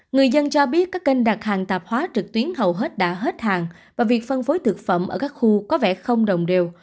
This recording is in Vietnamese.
người dân cho biết các kênh đặt hàng tạp hóa trực tuyến hầu hết đã hết hàng và việc phân phối thực phẩm ở các khu có vẻ không đồng đều